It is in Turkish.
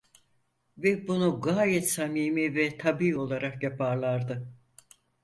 Ve bunu gayet samimi ve tabii olarak yaparlardı.